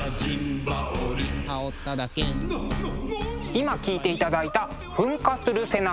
今聴いていただいた「噴火する背中」。